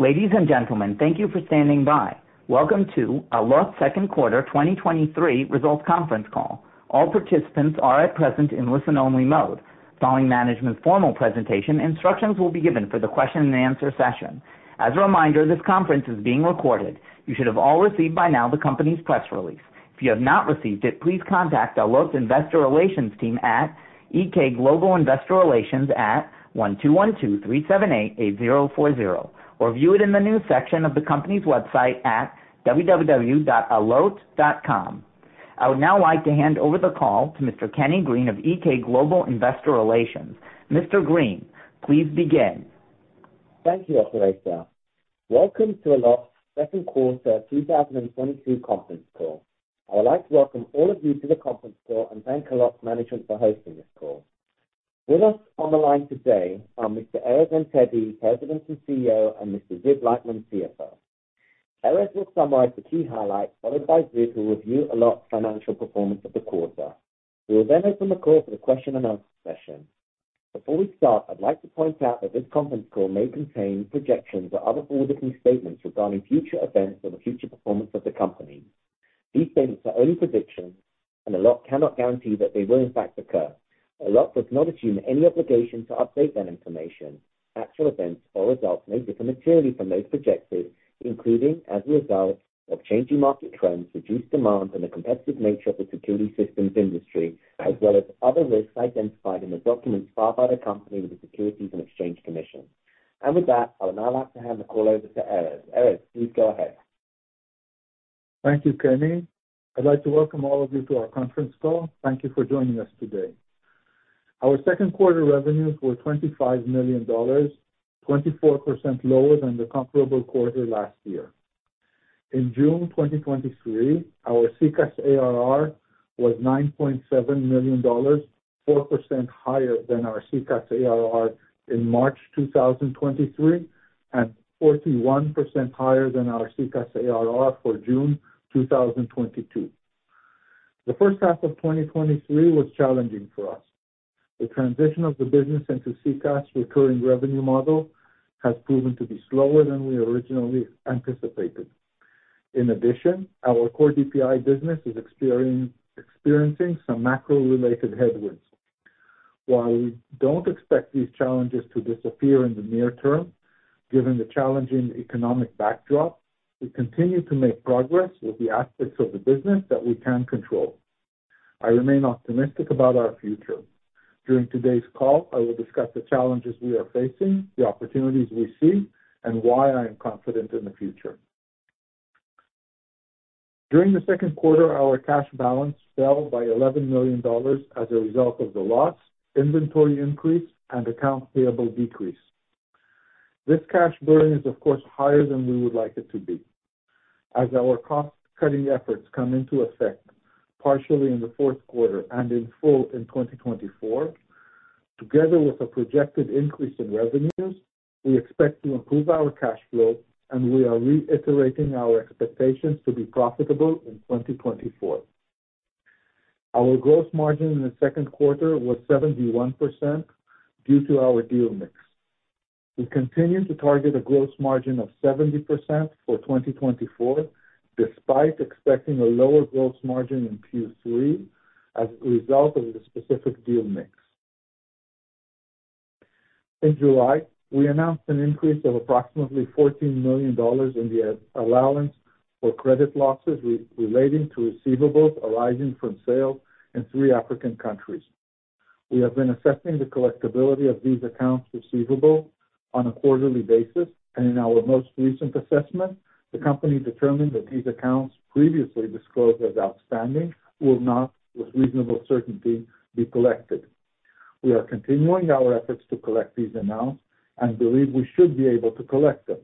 Ladies and gentlemen, thank you for standing by. Welcome to Allot second quarter 2023 results conference call. All participants are at present in listen-only mode. Following management's formal presentation, instructions will be given for the question and answer session. As a reminder, this conference is being recorded. You should have all received by now the company's press release. If you have not received it, please contact Allot's Investor Relations team at GK Global Investor Relations at 1-212-378-8040, or view it in the news section of the company's website at www.allot.com. I would now like to hand over the call to Mr. Kenny Green of GK Global Investor Relations. Mr. Green, please begin. Thank you, operator. Welcome to Allot second quarter 2022 conference call. I would like to welcome all of you to the conference call and thank Allot management for hosting this call. With us on the line today are Mr. Erez Antebi, President and CEO, and Mr. Ziv Leitman, CFO. Erez will summarize the key highlights, followed by Ziv, who will review Allot's financial performance of the quarter. We will then open the call for the question and answer session. Before we start, I'd like to point out that this conference call may contain projections or other forward-looking statements regarding future events or the future performance of the company. These statements are only predictions, and Allot cannot guarantee that they will, in fact, occur. Allot does not assume any obligation to update that information. Actual events or results may differ materially from those projected, including as a result of changing market trends, reduced demand, and the competitive nature of the security systems industry, as well as other risks identified in the documents filed by the company with the Securities and Exchange Commission. With that, I would now like to hand the call over to Erez. Erez, please go ahead. Thank you, Kenny. I'd like to welcome all of you to our conference call. Thank you for joining us today. Our second quarter revenues were $25 million, 24% lower than the comparable quarter last year. In June 2023, our SECaaS ARR was $9.7 million, 4% higher than our SECaaS ARR in March 2023, and 41% higher than our SECaaS ARR for June 2022. The first half of 2023 was challenging for us. The transition of the business into SECaaS' recurring revenue model has proven to be slower than we originally anticipated. In addition, our core DPI business is experiencing some macro-related headwinds. While we don't expect these challenges to disappear in the near term, given the challenging economic backdrop, we continue to make progress with the aspects of the business that we can control. I remain optimistic about our future. During today's call, I will discuss the challenges we are facing, the opportunities we see, and why I am confident in the future. During the second quarter, our cash balance fell by $11 million as a result of the loss, inventory increase, and accounts payable decrease. This cash burn is, of course, higher than we would like it to be. As our cost-cutting efforts come into effect partially in the fourth quarter and in full in 2024, together with a projected increase in revenues, we expect to improve our cash flow, and we are reiterating our expectations to be profitable in 2024. Our gross margin in the second quarter was 71% due to our deal mix. We continue to target a Gross Margin of 70% for 2024, despite expecting a lower Gross Margin in Q3 as a result of the specific deal mix. In July, we announced an increase of approximately $14 million in the allowance for credit losses relating to receivables arising from sales in 3 African countries. We have been assessing the collectibility of these accounts receivable on a quarterly basis, and in our most recent assessment, the company determined that these accounts, previously disclosed as outstanding, will not, with reasonable certainty, be collected. We are continuing our efforts to collect these amounts and believe we should be able to collect them.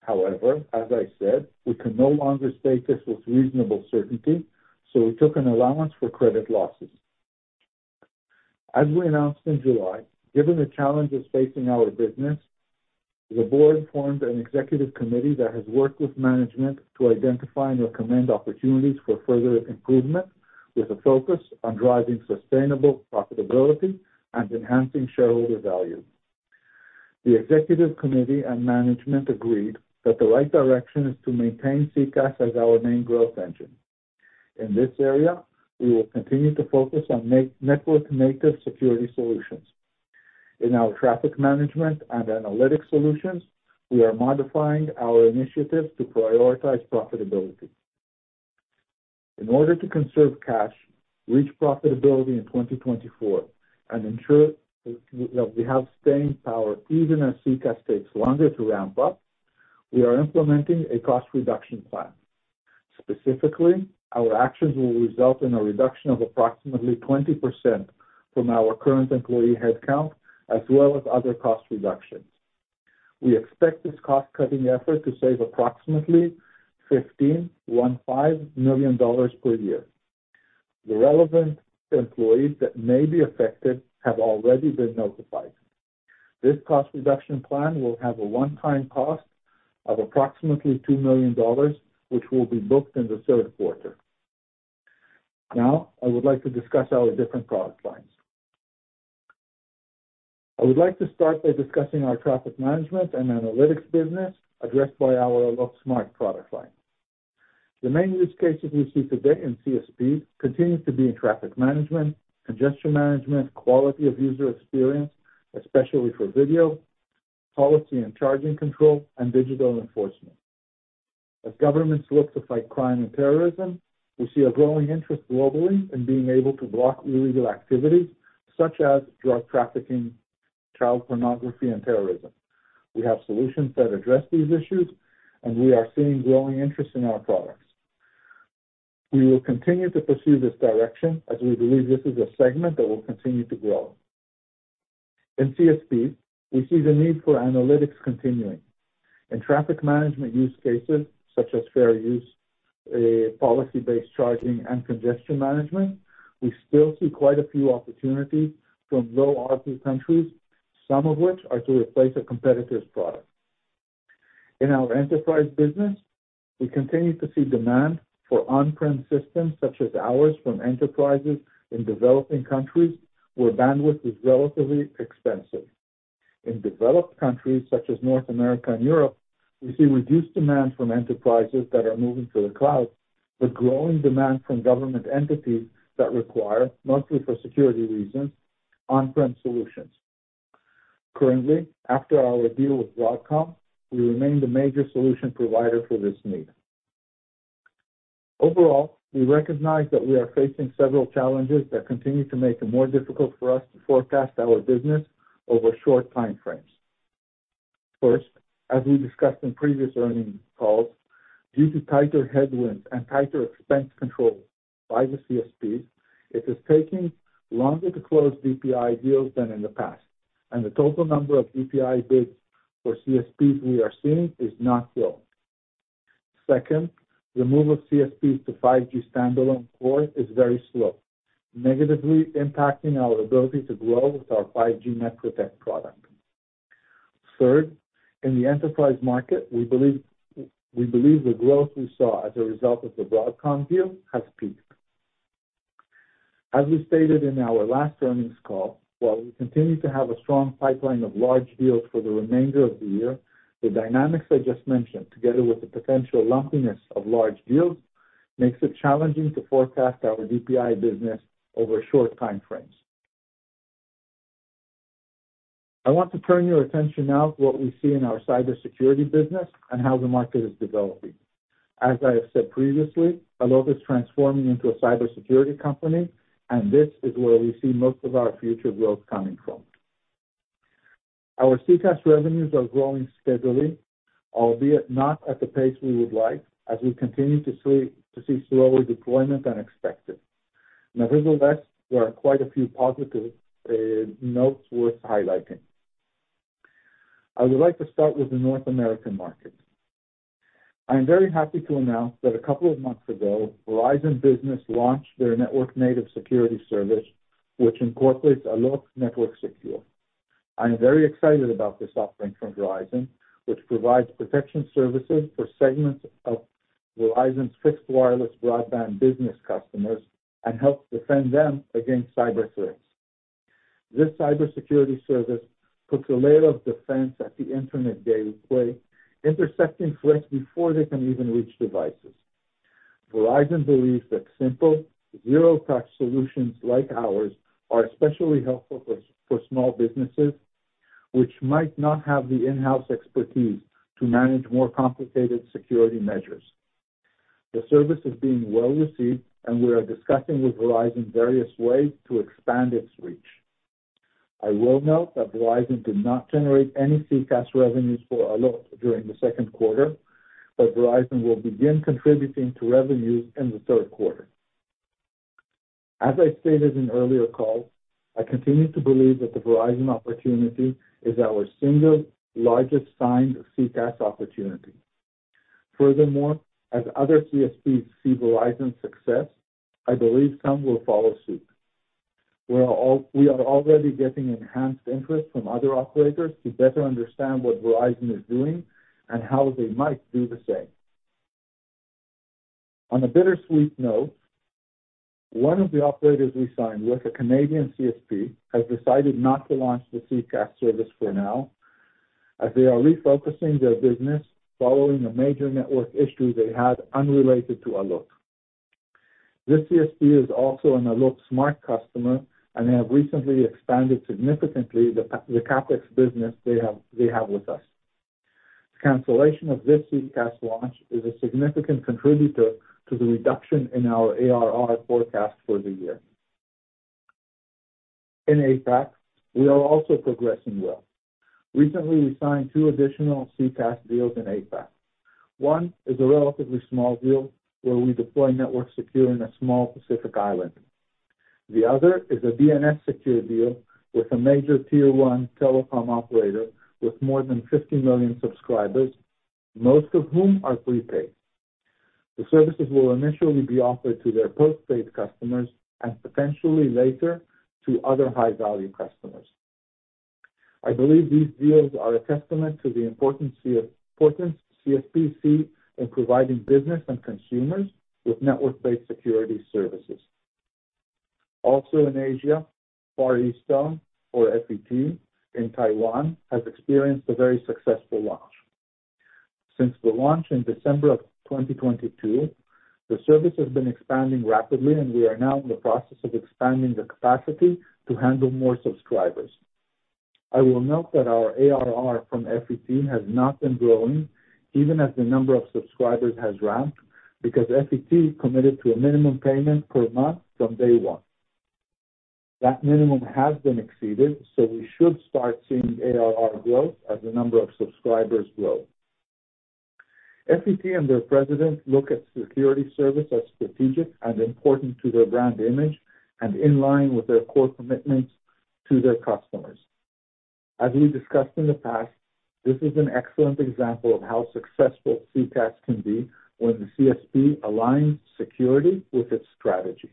However, as I said, we can no longer state this with reasonable certainty, so we took an allowance for credit losses. As we announced in July, given the challenges facing our business, the board formed an executive committee that has worked with management to identify and recommend opportunities for further improvement, with a focus on driving sustainable profitability and enhancing shareholder value. The executive committee and management agreed that the right direction is to maintain SECaaS as our main growth engine. In this area, we will continue to focus on network native security solutions. In our traffic management and analytic solutions, we are modifying our initiatives to prioritize profitability. In order to conserve cash, reach profitability in 2024, and ensure that we have staying power even as SECaaS takes longer to ramp up, we are implementing a cost reduction plan. Specifically, our actions will result in a reduction of approximately 20% from our current employee headcount, as well as other cost reductions. We expect this cost-cutting effort to save approximately $15 million per year. The relevant employees that may be affected have already been notified. This cost reduction plan will have a one-time cost of approximately $2 million, which will be booked in the third quarter. Now, I would like to discuss our different product lines. I would like to start by discussing our traffic management and analytics business, addressed by our Allot Smart product line. The main use cases we see today in CSP continues to be in traffic management, congestion management, quality of user experience, especially for video, policy and charging control, and digital enforcement. As governments look to fight crime and terrorism, we see a growing interest globally in being able to block illegal activities such as drug trafficking, child pornography, and terrorism. We have solutions that address these issues, and we are seeing growing interest in our products. We will continue to pursue this direction, as we believe this is a segment that will continue to grow. In CSP, we see the need for analytics continuing. In traffic management use cases such as fair use, policy-based charging, and congestion management, we still see quite a few opportunities from low-ARPU countries, some of which are to replace a competitor's product. In our enterprise business, we continue to see demand for on-prem systems such as ours from enterprises in developing countries, where bandwidth is relatively expensive. In developed countries such as North America and Europe, we see reduced demand from enterprises that are moving to the cloud, but growing demand from government entities that require, mostly for security reasons, on-prem solutions. Currently, after our deal with Broadcom, we remain the major solution provider for this need. Overall, we recognize that we are facing several challenges that continue to make it more difficult for us to forecast our business over short time frames. First, as we discussed in previous earnings calls, due to tighter headwinds and tighter expense control by the CSP, it is taking longer to close DPI deals than in the past, and the total number of DPI bids for CSPs we are seeing is not growing. Second, the move of CSP to 5G standalone core is very slow, negatively impacting our ability to grow with our 5G NetProtect product. Third, in the enterprise market, we believe the growth we saw as a result of the Broadcom deal has peaked. As we stated in our last earnings call, while we continue to have a strong pipeline of large deals for the remainder of the year, the dynamics I just mentioned, together with the potential lumpiness of large deals, makes it challenging to forecast our DPI business over short time frames. I want to turn your attention now to what we see in our cybersecurity business and how the market is developing. As I have said previously, Allot is transforming into a cybersecurity company, and this is where we see most of our future growth coming from. Our SECaaS revenues are growing steadily, albeit not at the pace we would like, as we continue to see slower deployment than expected. Nevertheless, there are quite a few positive notes worth highlighting. I would like to start with the North American market. I am very happy to announce that a couple of months ago, Verizon Business launched their network native security service, which incorporates Allot NetworkSecure. I am very excited about this offering from Verizon, which provides protection services for segments of Verizon's fixed wireless broadband business customers and helps defend them against cyber threats. This cybersecurity service puts a layer of defense at the internet gateway, intercepting threats before they can even reach devices. Verizon believes that simple, zero-touch solutions like ours are especially helpful for small businesses, which might not have the in-house expertise to manage more complicated security measures. The service is being well received, and we are discussing with Verizon various ways to expand its reach. I will note that Verizon did not generate any SECaaS revenues for Allot during the second quarter, but Verizon will begin contributing to revenues in the third quarter. As I stated in earlier calls, I continue to believe that the Verizon opportunity is our single largest signed SECaaS opportunity. Furthermore, as other CSPs see Verizon's success, I believe some will follow suit. We are already getting enhanced interest from other operators to better understand what Verizon is doing and how they might do the same. On a bittersweet note, one of the operators we signed with, a Canadian CSP, has decided not to launch the SECaaS service for now, as they are refocusing their business following a major network issue they had unrelated to Allot. This CSP is also an Allot Smart customer, and they have recently expanded significantly the CapEx business they have, they have with us. The cancellation of this SECaaS launch is a significant contributor to the reduction in our ARR forecast for the year. In APAC, we are also progressing well. Recently, we signed two additional SECaaS deals in APAC. One is a relatively small deal where we deploy NetworkSecure in a small Pacific island. The other is a DNS Secure deal with a major Tier 1 telecom operator with more than 50 million subscribers, most of whom are prepaid. The services will initially be offered to their postpaid customers and potentially later to other high-value customers. I believe these deals are a testament to the importance CSPs see in providing business and consumers with network-based security services. Also in Asia, Far EasTone, or FET in Taiwan, has experienced a very successful launch. Since the launch in December 2022, the service has been expanding rapidly, and we are now in the process of expanding the capacity to handle more subscribers. I will note that our ARR from FET has not been growing, even as the number of subscribers has ramped, because FET committed to a minimum payment per month from day one. That minimum has been exceeded, so we should start seeing ARR growth as the number of subscribers grow. FET and their president look at security service as strategic and important to their brand image and in line with their core commitments to their customers. As we discussed in the past, this is an excellent example of how successful SECaaS can be when the CSP aligns security with its strategy.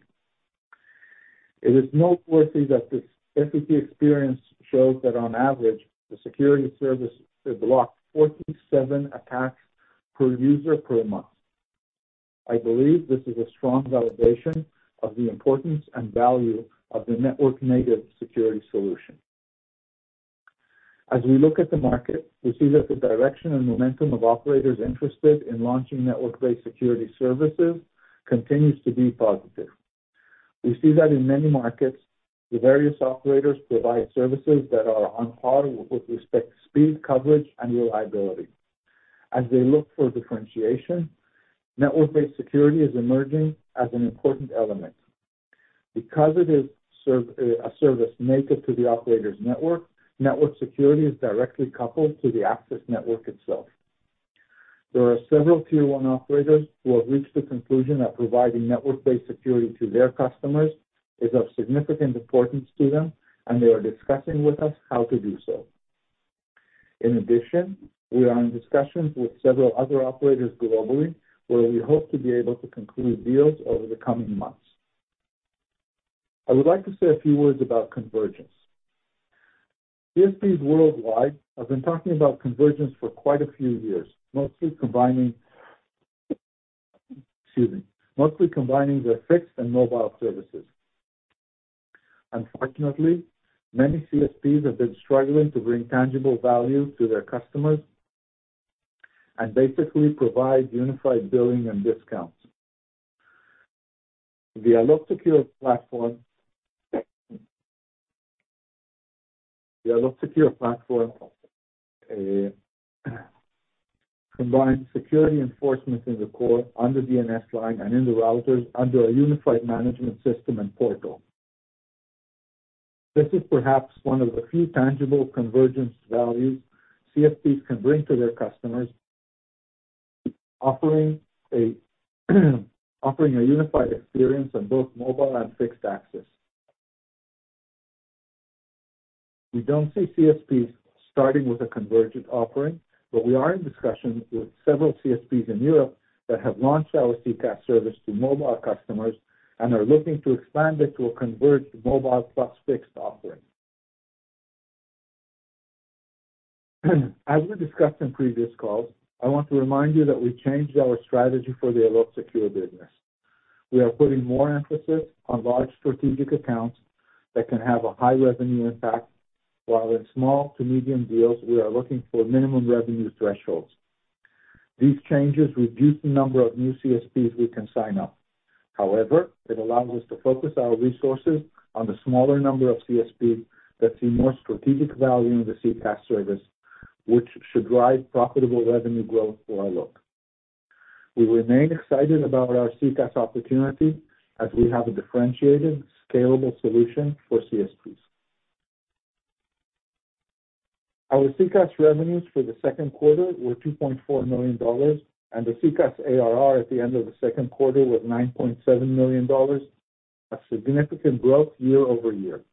It is noteworthy that this FET experience shows that on average, the security service has blocked 47 attacks per user per month. I believe this is a strong validation of the importance and value of the network-native security solution. As we look at the market, we see that the direction and momentum of operators interested in launching network-based security services continues to be positive. We see that in many markets, the various operators provide services that are on par with respect to speed, coverage, and reliability. As they look for differentiation, network-based security is emerging as an important element. Because it is a service native to the operator's network, network security is directly coupled to the access network itself. There are several Tier 1 operators who have reached the conclusion that providing network-based security to their customers is of significant importance to them, and they are discussing with us how to do so. In addition, we are in discussions with several other operators globally, where we hope to be able to conclude deals over the coming months. I would like to say a few words about convergence. CSPs worldwide have been talking about convergence for quite a few years, mostly combining, excuse me, mostly combining their fixed and mobile services. Unfortunately, many CSPs have been struggling to bring tangible value to their customers, and basically provide unified billing and discounts. The Allot Secure platform, the Allot Secure platform, combines security enforcement in the core, on the DNS line, and in the routers under a unified management system and portal. This is perhaps one of the few tangible convergence values CSPs can bring to their customers, offering a, offering a unified experience on both mobile and fixed access. We don't see CSPs starting with a convergent offering, but we are in discussions with several CSPs in Europe that have launched our SECaaS service to mobile customers and are looking to expand it to a converged mobile plus fixed offering. As we discussed in previous calls, I want to remind you that we changed our strategy for the Allot Secure business. We are putting more emphasis on large strategic accounts that can have a high revenue impact, while in small to medium deals, we are looking for minimum revenue thresholds. These changes reduce the number of new CSPs we can sign up. However, it allows us to focus our resources on the smaller number of CSPs that see more strategic value in the SECaaS service, which should drive profitable revenue growth for Allot. We remain excited about our SECaaS opportunity as we have a differentiated, scalable solution for CSPs. Our SECaaS revenues for the second quarter were $2.4 million, and the SECaaS ARR at the end of the second quarter was $9.7 million, a significant year-over-year growth.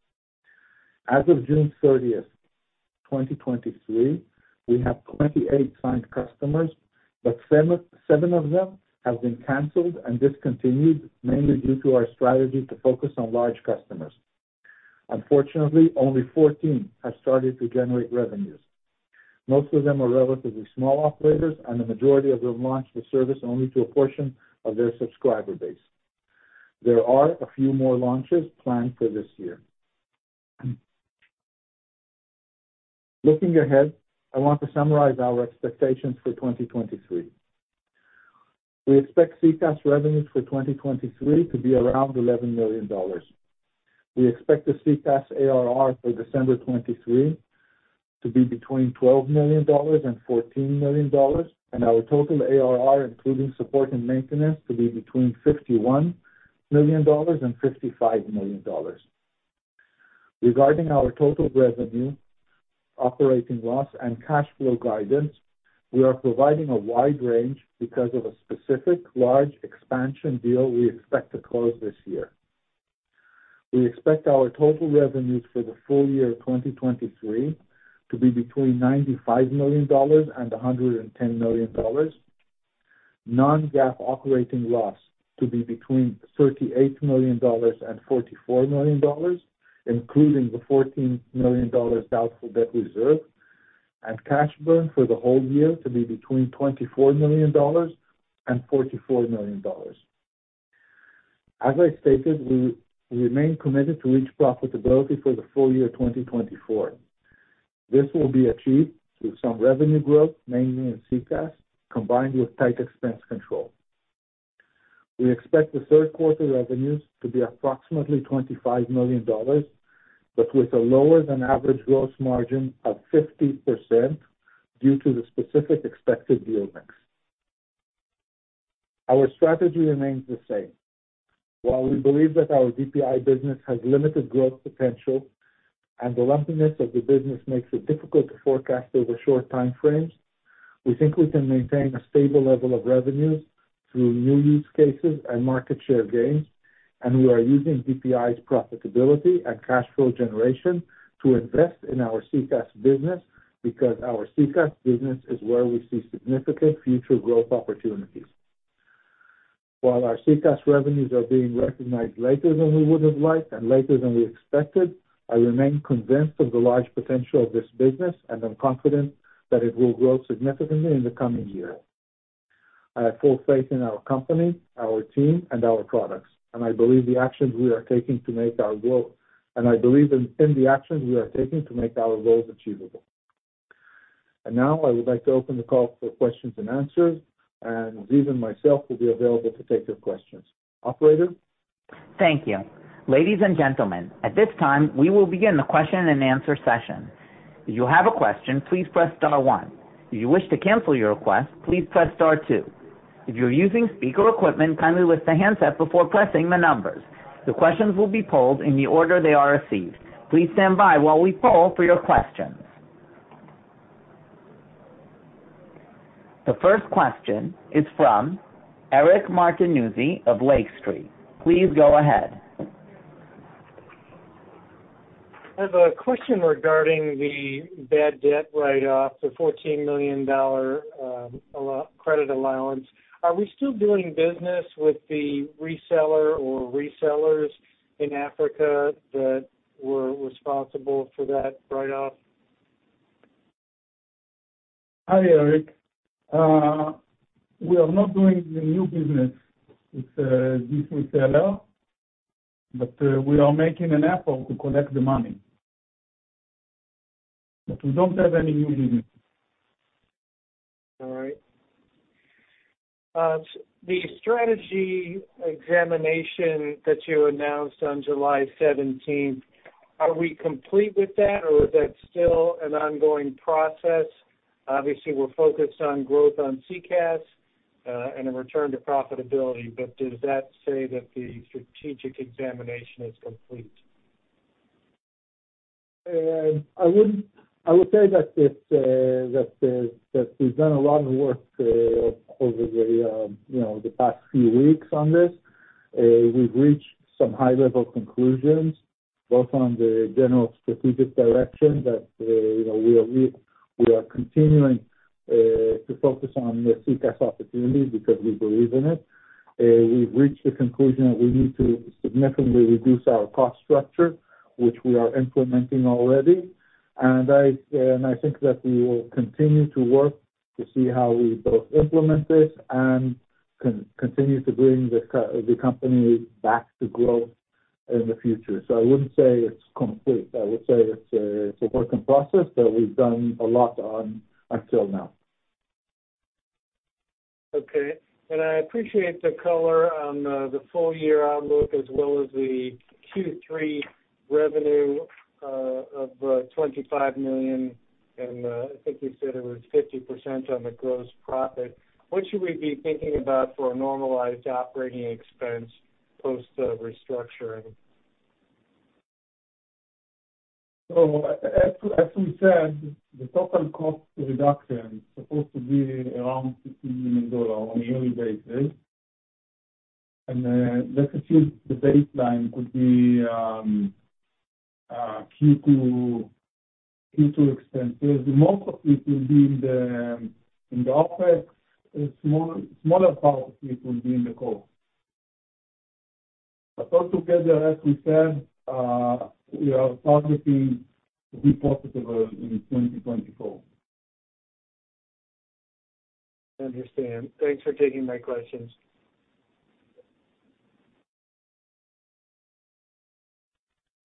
As of June 30, 2023, we have 28 signed customers, but seven, seven of them have been canceled and discontinued, mainly due to our strategy to focus on large customers. Unfortunately, only 14 have started to generate revenues. Most of them are relatively small operators, and the majority of them launched the service only to a portion of their subscriber base. There are a few more launches planned for this year. Looking ahead, I want to summarize our expectations for 2023. We expect SECaaS revenues for 2023 to be around $11 million. We expect the SECaaS ARR for December 2023 to be between $12 million and $14 million, and our total ARR, including support and maintenance, to be between $51 million and $55 million. Regarding our total revenue, operating loss, and cash flow guidance, we are providing a wide range because of a specific large expansion deal we expect to close this year. We expect our total revenues for the full year 2023 to be between $95 million and $110 million, non-GAAP operating loss to be between $38 million and $44 million, including the $14 million doubtful debt reserve, and cash burn for the whole year to be between $24 million and $44 million. As I stated, we remain committed to reach profitability for the full year 2024. This will be achieved through some revenue growth, mainly in SECaaS, combined with tight expense control. We expect the third quarter revenues to be approximately $25 million, but with a lower than average gross margin of 50% due to the specific expected deal mix. Our strategy remains the same. While we believe that our DPI business has limited growth potential, and the lumpiness of the business makes it difficult to forecast over short time frames, we think we can maintain a stable level of revenues through new use cases and market share gains, and we are using DPI's profitability and cash flow generation to invest in our SECaaS business, because our SECaaS business is where we see significant future growth opportunities. While our SECaaS revenues are being recognized later than we would have liked and later than we expected, I remain convinced of the large potential of this business, and I'm confident that it will grow significantly in the coming year. I have full faith in our company, our team, and our products, and I believe the actions we are taking to make our goals, and I believe in, in the actions we are taking to make our goals achievable. Now I would like to open the call for questions and answers, and Ziv and myself will be available to take your questions. Operator? Thank you. Ladies and gentlemen, at this time, we will begin the question-and-answer session. If you have a question, please press star one. If you wish to cancel your request, please press star two. If you're using speaker equipment, kindly lift the handset before pressing the numbers. The questions will be polled in the order they are received. Please stand by while we poll for your questions. The first question is from Eric Martinuzzi of Lake Street. Please go ahead. I have a question regarding the bad debt write-off, the $14 million Allot credit allowance. Are we still doing business with the reseller or resellers in Africa that were responsible for that write-off? Hi, Eric. We are not doing the new business with this reseller, but we are making an effort to collect the money, but we don't have any new business. All right. The strategy examination that you announced on July seventeenth, are we complete with that, or is that still an ongoing process? Obviously, we're focused on growth on SECaaS, and a return to profitability, but does that say that the strategic examination is complete? I would say that we've done a lot of work over the, you know, the past few weeks on this. We've reached some high-level conclusions, both on the general strategic direction that, you know, we are continuing to focus on the SECaaS opportunity because we believe in it. We've reached the conclusion that we need to significantly reduce our cost structure, which we are implementing already. And I think that we will continue to work to see how we both implement this and continue to bring the company back to growth in the future. So I wouldn't say it's complete. I would say it's a working process, but we've done a lot up until now. Okay. I appreciate the color on the full year outlook, as well as the Q3 revenue of $25 million, and I think you said it was 50% on the gross profit. What should we be thinking about for a normalized operating expense post the restructuring? So, as we said, the total cost reduction is supposed to be around $15 million on a yearly basis, and let's assume the baseline could be Q2 expenses. Most of it will be in the OpEx, a smaller part of it will be in the cost. But altogether, as we said, we are targeting to be profitable in 2024. I understand. Thanks for taking my questions.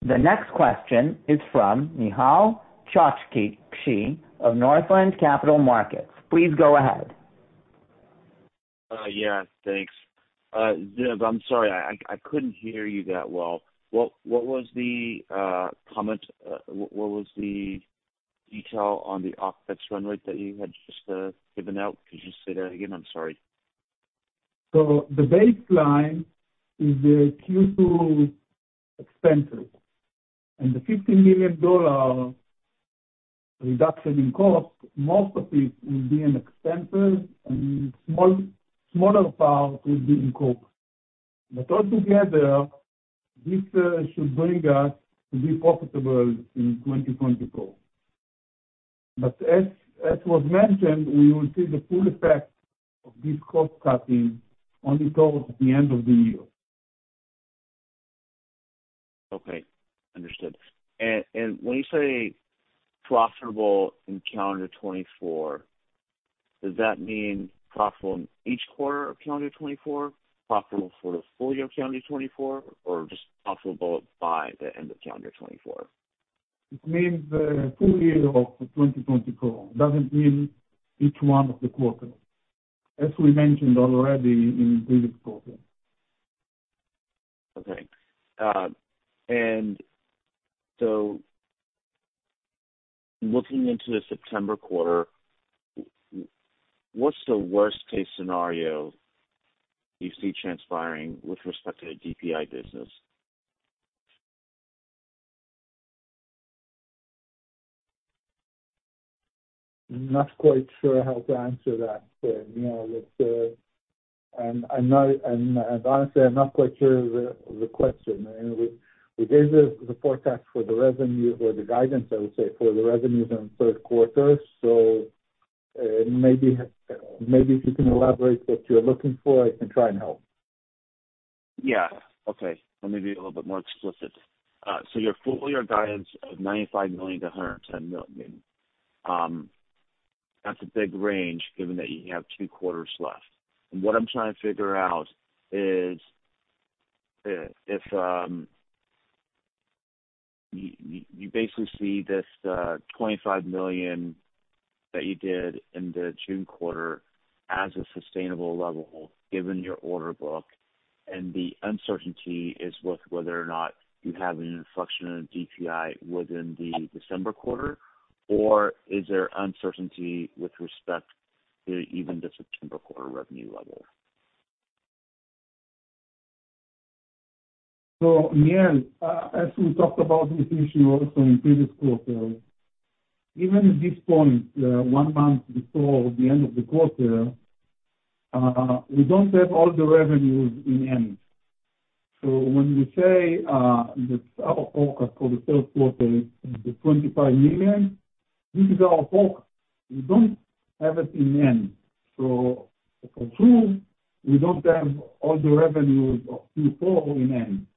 The next question is from Nehal Chokshi of Northland Capital Markets. Please go ahead. Yeah, thanks. Ziv, I'm sorry, I couldn't hear you that well. What was the comment, what was the detail on the OpEx run rate that you had just given out? Could you just say that again? I'm sorry. So the baseline is the Q2 expenses, and the $15 million reduction in cost, most of it will be in expenses, and smaller part will be in cost. But all together, this should bring us to be profitable in 2024. But as was mentioned, we will see the full effect of this cost cutting only towards the end of the year. Okay, understood. And when you say profitable in calendar 2024, does that mean profitable in each quarter of calendar 2024, profitable for the full year of calendar 2024, or just profitable by the end of calendar 2024? It means the full year of 2024. It doesn't mean each one of the quarters, as we mentioned already in previous quarter. Okay. And so looking into the September quarter, what's the worst case scenario you see transpiring with respect to the DPI business? I'm not quite sure how to answer that, you know, and honestly, I'm not quite sure the question. We gave the forecast for the revenue or the guidance, I would say, for the revenues in third quarter. So, maybe if you can elaborate what you're looking for, I can try and help. Yeah. Okay. Let me be a little bit more explicit. So your full year guidance of $95 million-$110 million, that's a big range given that you have two quarters left. And what I'm trying to figure out is, if you basically see this $25 million that you did in the June quarter as a sustainable level, given your order book, and the uncertainty is with whether or not you have an inflection in DPI within the December quarter, or is there uncertainty with respect to even the September quarter revenue level? So, again, as we talked about this issue also in previous quarters, even at this point, one month before the end of the quarter, we don't have all the revenues in the end. So when we say that our forecast for the third quarter is $25 million, this is our forecast. We don't have it in the end. So for 2, we don't have all the revenues of Q4 in the end.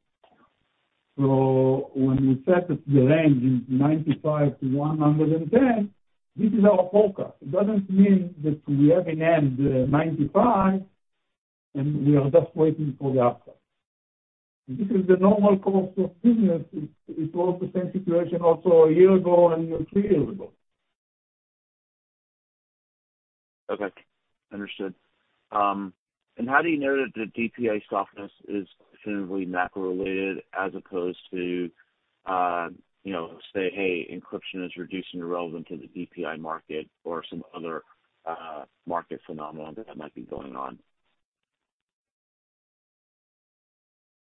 So when we set the range in $95-$110 million, this is our forecast. It doesn't mean that we have in end $95, and we are just waiting for the outcome. This is the normal course of business. It was the same situation also a year ago and 2 years ago. Okay, understood. How do you know that the DPI softness is definitively macro-related as opposed to, you know, say, hey, encryption is reducing the relevance to the DPI market or some other market phenomenon that might be going on?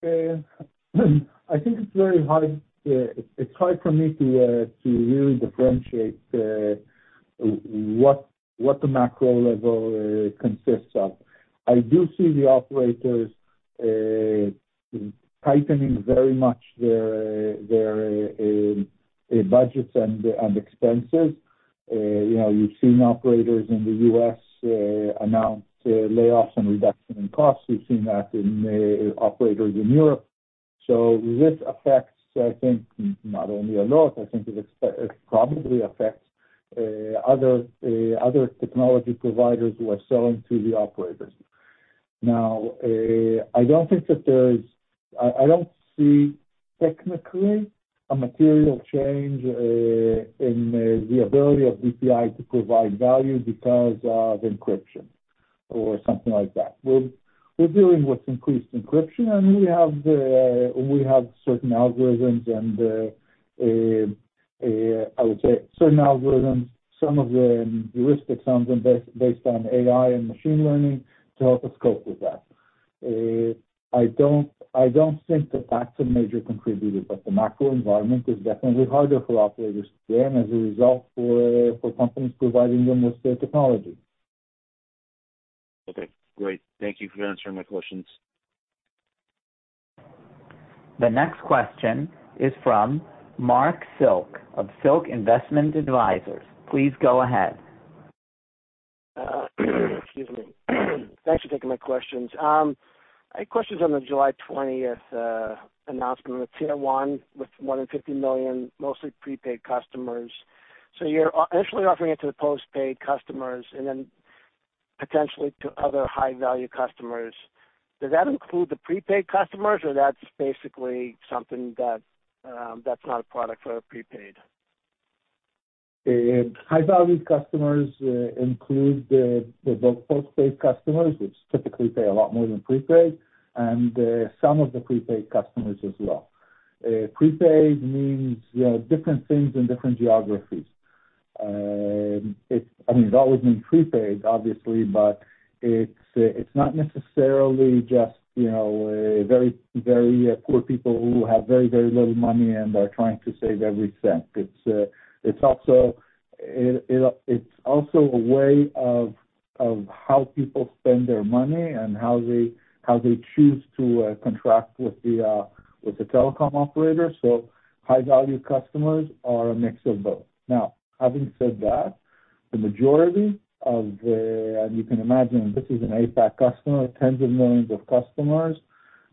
I think it's very hard, it's hard for me to really differentiate what the macro level consists of. I do see the operators tightening very much their budgets and expenses. You know, you've seen operators in the U.S. announce layoffs and reduction in costs. We've seen that in operators in Europe. So this affects, I think, not only Allot, I think it probably affects other technology providers who are selling to the operators. Now, I don't think that there's... I don't see technically a material change in the ability of DPI to provide value because of encryption or something like that. We're dealing with increased encryption, and we have certain algorithms and I would say certain algorithms, some of them heuristic, some of them based on AI and machine learning to help us cope with that. I don't think that that's a major contributor, but the macro environment is definitely harder for operators, and as a result for companies providing them with their technology. Okay, great. Thank you for answering my questions. The next question is from Marc Silk of Silk Investment Advisors. Please go ahead. Excuse me. Thanks for taking my questions. I had questions on the July 20th announcement with Tier 1, with more than 50 million, mostly prepaid customers. So you're initially offering it to the postpaid customers and then potentially to other high-value customers. Does that include the prepaid customers, or that's basically something that, that's not a product for a prepaid? High-value customers include the post-paid customers, which typically pay a lot more than prepaid, and some of the prepaid customers as well. Prepaid means different things in different geographies. I mean, it's always been prepaid, obviously, but it's not necessarily just, you know, very, very poor people who have very, very little money and are trying to save every cent. It's also a way of how people spend their money and how they choose to contract with the telecom operator. So high-value customers are a mix of both. Now, having said that, the majority of the, and you can imagine this is an APAC customer, tens of millions of customers,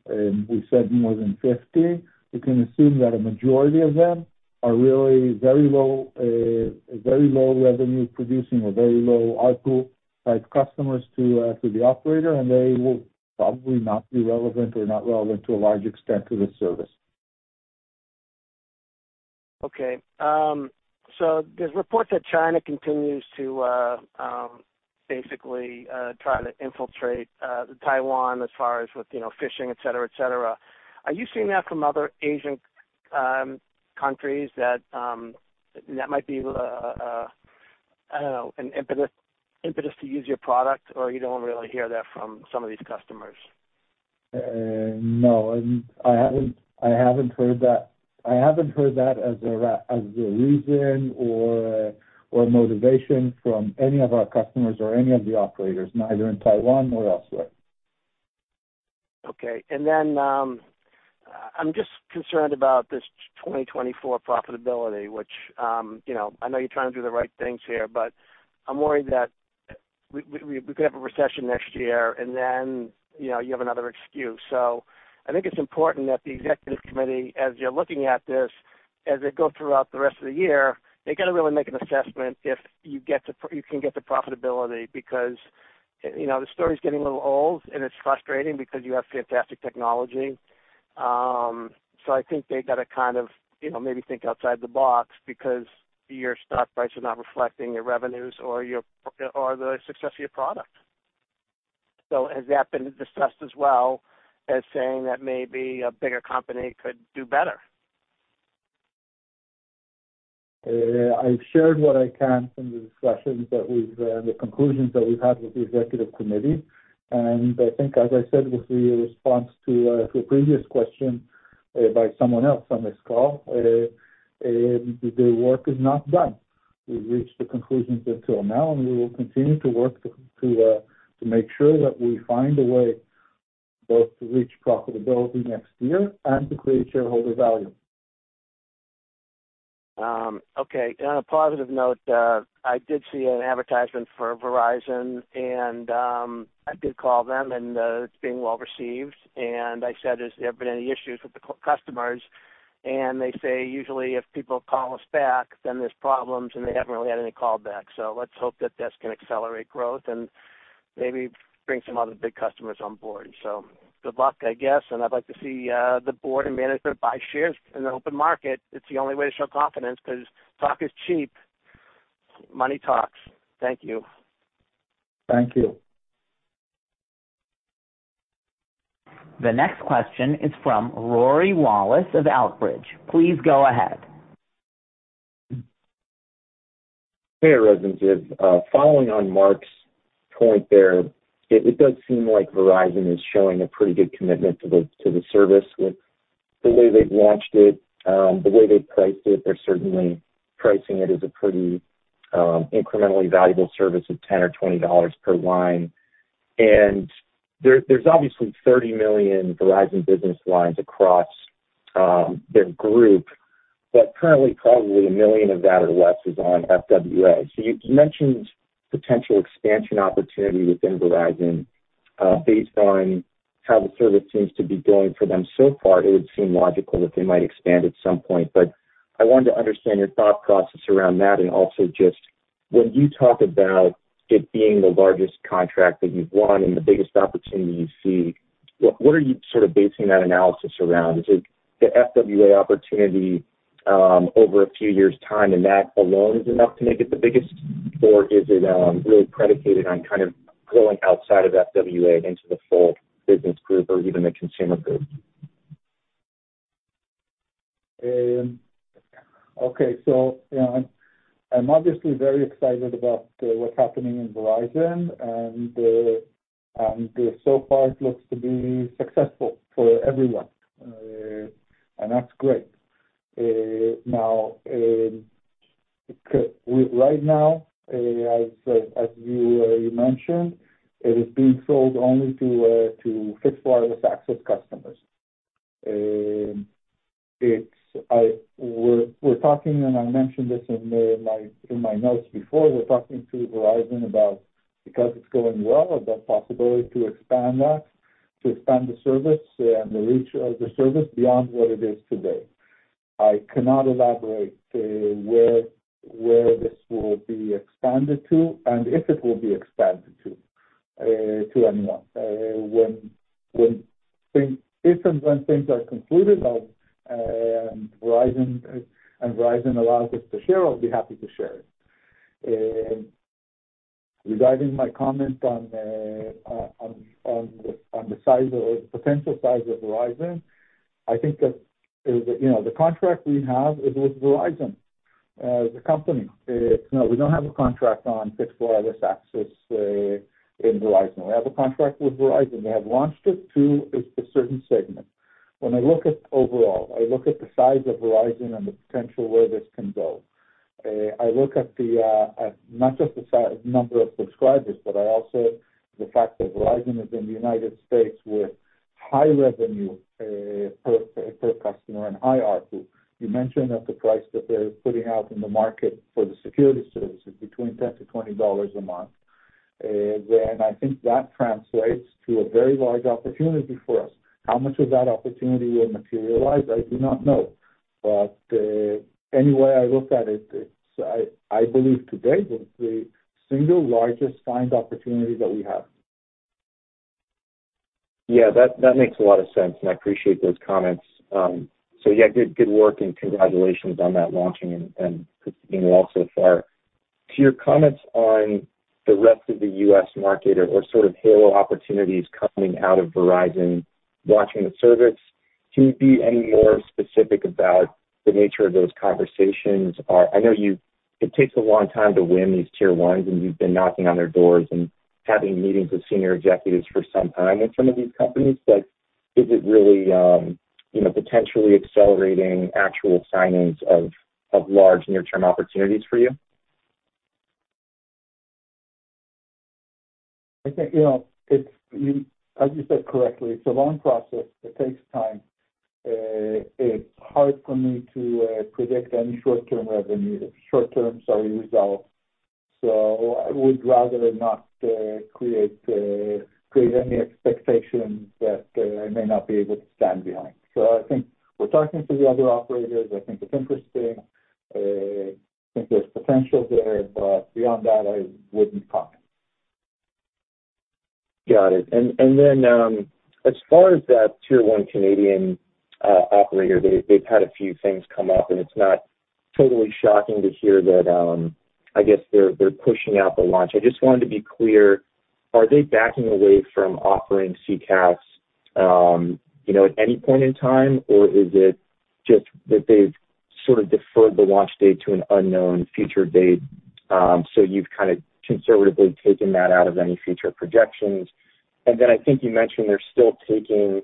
and we said more than 50. You can assume that a majority of them are really very low, very low revenue producing or very low ARPU-type customers to, to the operator, and they will probably not be relevant or not relevant to a large extent to this service. Okay, so there's reports that China continues to basically try to infiltrate Taiwan as far as with, you know, phishing, et cetera, et cetera. Are you seeing that from other Asian countries that might be, I don't know, an impetus to use your product, or you don't really hear that from some of these customers? No, I haven't heard that. I haven't heard that as a reason or motivation from any of our customers or any of the operators, neither in Taiwan nor elsewhere. Okay, and then, I'm just concerned about this 2024 profitability, which, you know, I know you're trying to do the right things here, but I'm worried that we could have a recession next year, and then, you know, you have another excuse. So I think it's important that the executive committee, as you're looking at this, as they go throughout the rest of the year, they've got to really make an assessment if you can get to profitability. Because, you know, the story's getting a little old, and it's frustrating because you have fantastic technology. So I think they've got to kind of, you know, maybe think outside the box because your stock price is not reflecting your revenues or the success of your product. Has that been discussed as well as saying that maybe a bigger company could do better? I've shared what I can from the discussions, the conclusions that we've had with the Executive Committee. I think, as I said, with the response to a previous question, the work is not done. We've reached the conclusions until now, and we will continue to work to make sure that we find a way both to reach profitability next year and to create shareholder value. Okay. On a positive note, I did see an advertisement for Verizon, and I did call them, and it's being well received. And I said, "Is there been any issues with the customers?" And they say, "Usually if people call us back, then there's problems," and they haven't really had any callbacks. So let's hope that this can accelerate growth and maybe bring some other big customers on board. So good luck, I guess, and I'd like to see the board and management buy shares in the open market. It's the only way to show confidence, because talk is cheap. Money talks. Thank you. Thank you. The next question is from Rory Wallace of Outbridge. Please go ahead. Hey, Rory. Following on Mark's point there, it does seem like Verizon is showing a pretty good commitment to the service with the way they've launched it, the way they've priced it. They're certainly pricing it as a pretty incrementally valuable service of $10-$20 per line. And there's obviously 30 million Verizon business lines across their group, but currently, probably 1 million of that or less is on FWA. So you've mentioned potential expansion opportunity within Verizon. Based on how the service seems to be going for them so far, it would seem logical that they might expand at some point. But I wanted to understand your thought process around that, and also just when you talk about it being the largest contract that you've won and the biggest opportunity you see, what, what are you sort of basing that analysis around? Is it the FWA opportunity over a few years' time, and that alone is enough to make it the biggest? Or is it really predicated on kind of going outside of FWA into the full business group or even the consumer group? Okay. So, you know, I'm obviously very excited about what's happening in Verizon, and so far it looks to be successful for everyone, and that's great. Now, right now, as you mentioned, it is being sold only to fixed wireless access customers. It's, we're talking, and I mentioned this in my notes before, we're talking to Verizon about, because it's going well, about the possibility to expand that, to expand the service, and the reach of the service beyond what it is today. I cannot elaborate where this will be expanded to and if it will be expanded to anyone. When, if and when things are concluded on and Verizon, and Verizon allows us to share, I'll be happy to share it. Regarding my comment on the size of potential size of Verizon, I think that you know, the contract we have is with Verizon, the company. No, we don't have a contract on fixed wireless access in Verizon. We have a contract with Verizon. They have launched it to a certain segment.... When I look at overall, I look at the size of Verizon and the potential where this can go. I look at not just the size, number of subscribers, but I also the fact that Verizon is in the United States with high revenue per customer and high ARPU. You mentioned that the price that they're putting out in the market for the security service is between $10-$20 a month. Then I think that translates to a very large opportunity for us. How much of that opportunity will materialize? I do not know. But, any way I look at it, it's, I, I believe today, the, the single largest signed opportunity that we have. Yeah, that, that makes a lot of sense, and I appreciate those comments. So yeah, good, good work, and congratulations on that launching and it being well so far. To your comments on the rest of the U.S. market or sort of halo opportunities coming out of Verizon launching the service, can you be any more specific about the nature of those conversations? Or I know you, it takes a long time to win these Tier 1s, and you've been knocking on their doors and having meetings with senior executives for some time in some of these companies. But is it really, you know, potentially accelerating actual signings of large near-term opportunities for you? I think, you know, it's, you—as you said correctly, it's a long process. It takes time. It's hard for me to predict any short-term revenue, short-term, sorry, results. So I would rather not create, create any expectations that I may not be able to stand behind. So I think we're talking to the other operators. I think it's interesting. I think there's potential there, but beyond that, I wouldn't comment. Got it. And then, as far as that Tier 1 Canadian operator, they've had a few things come up, and it's not totally shocking to hear that. I guess they're pushing out the launch. I just wanted to be clear, are they backing away from offering SECaaS, you know, at any point in time? Or is it just that they've sort of deferred the launch date to an unknown future date, so you've kind of conservatively taken that out of any future projections? And then I think you mentioned they're still taking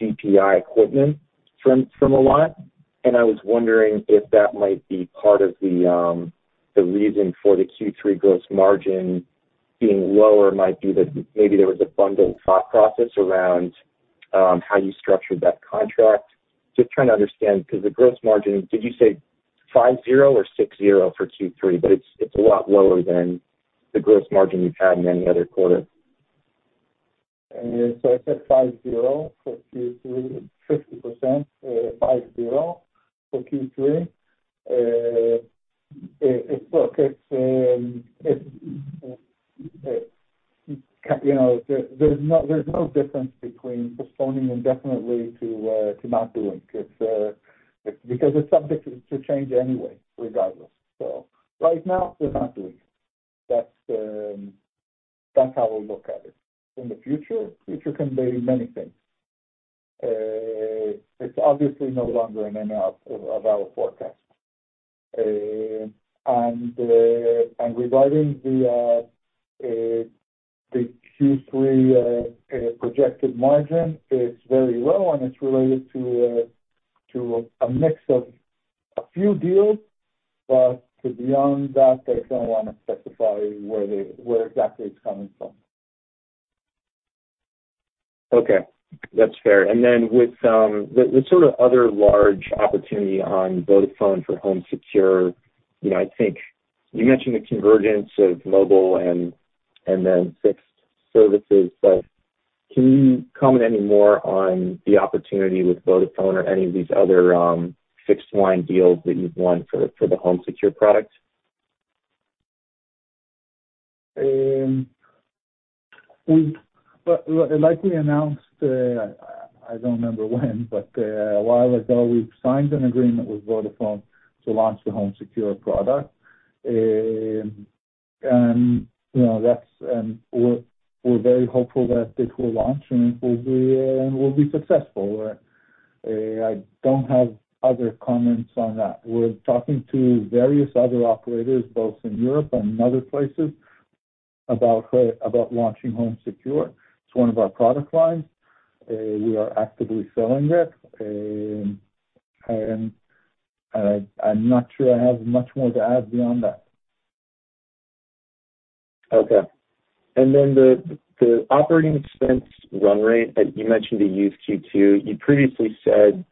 DPI equipment from Allot, and I was wondering if that might be part of the reason for the Q3 gross margin being lower, might be that maybe there was a bundled thought process around how you structured that contract. Just trying to understand, because the gross margin, did you say 50 or 60 for Q3? But it's, it's a lot lower than the gross margin you've had in any other quarter. So I said 50 for Q3, 50%, 50 for Q3. Look, it's, you know, there, there's no, there's no difference between postponing indefinitely to, to not doing it. It's, because it's subject to, to change anyway, regardless. So right now, they're not doing it. That's, that's how I look at it. In the future, future can be many things. It's obviously no longer in any of, of our forecast. And, and regarding the, the Q3, projected margin, it's very low, and it's related to, to a mix of a few deals, but beyond that, I don't want to specify where they, where exactly it's coming from. Okay, that's fair. And then with the sort of other large opportunity on Vodafone for HomeSecure, you know, I think you mentioned the convergence of mobile and then fixed services. But can you comment any more on the opportunity with Vodafone or any of these other fixed line deals that you've won for the HomeSecure product? Like we announced, I don't remember when, but a while ago, we signed an agreement with Vodafone to launch the HomeSecure product. And, you know, that's, and we're, we're very hopeful that it will launch, and we'll be, and we'll be successful. I don't have other comments on that. We're talking to various other operators, both in Europe and in other places, about launching HomeSecure. It's one of our product lines, we are actively selling it. And I, I'm not sure I have much more to add beyond that. Okay. And then the, the operating expense run rate that you mentioned, you used Q2. You previously said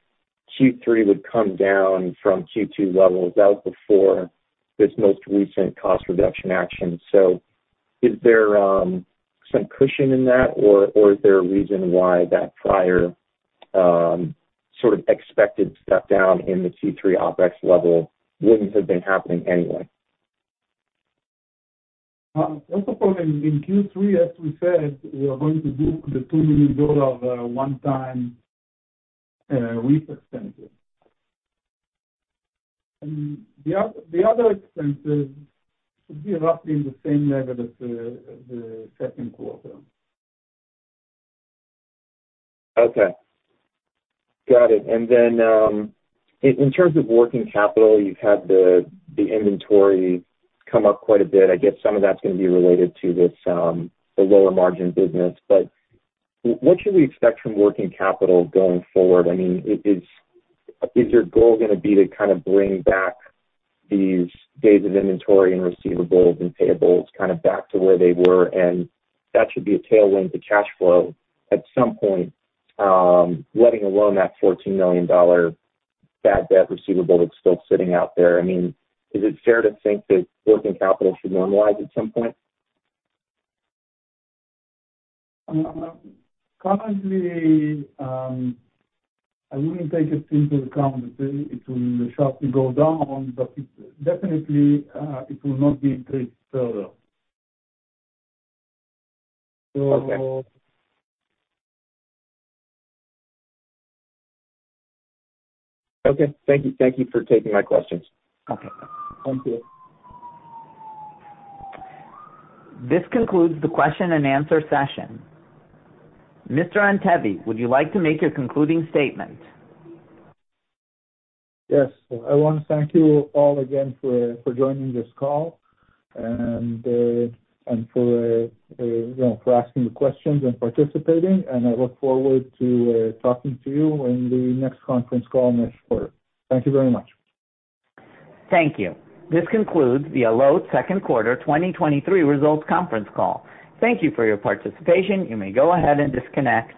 Q3 would come down from Q2 levels, that was before this most recent cost reduction action. So is there some cushion in that, or, or is there a reason why that prior sort of expected step down in the Q3 OpEx level wouldn't have been happening anyway? First of all, in Q3, as we said, we are going to book the $2 million one-time lease expenses. The other expenses should be roughly the same level as the second quarter. Okay, got it. And then, in terms of working capital, you've had the inventory come up quite a bit. I guess some of that's going to be related to this, the lower margin business. But what should we expect from working capital going forward? I mean, is your goal going to be to kind of bring back these days of inventory and receivables and payables kind of back to where they were, and that should be a tailwind to cash flow at some point, letting alone that $14 million bad debt receivable that's still sitting out there? I mean, is it fair to think that working capital should normalize at some point? Currently, I wouldn't take it into account. It will sharply go down, but it definitely, it will not increase further. So- Okay. Okay, thank you. Thank you for taking my questions. Okay. Thank you. This concludes the question and answer session. Mr. Antebi, would you like to make your concluding statement? Yes. I want to thank you all again for joining this call, and for you know for asking the questions and participating, and I look forward to talking to you in the next conference call next quarter. Thank you very much. Thank you. This concludes the Allot second quarter 2023 results conference call. Thank you for your participation. You may go ahead and disconnect.